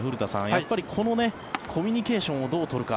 やっぱりコミュニケーションをどう取るか。